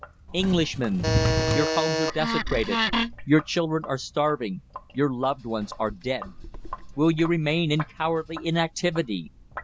=ENGLISHMEN!= Your Homes are Desecrated! Your Children are Starving! Your Loved Ones are Dead! WILL YOU REMAIN IN COWARDLY INACTIVITY?